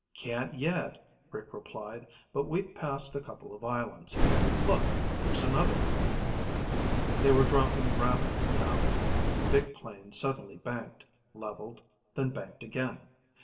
"Can't yet," Rick replied. "But we've passed a couple of islands. Look, there's another." They were dropping rapidly now. The big plane suddenly banked, leveled, then banked again.